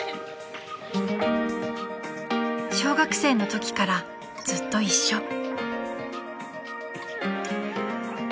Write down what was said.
［小学生のときからずっと一緒］